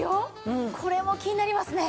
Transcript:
これも気になりますね。